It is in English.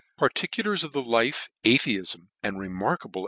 Particulars of the Life, Atheifm, and remarkable.